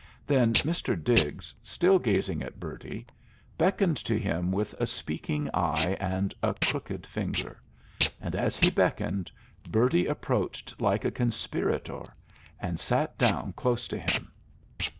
Then Mr. Diggs, still gazing at Bertie, beckoned to him with a speaking eye and a crooked finger; and as he beckoned, Bertie approached like a conspirator and sat down close to him.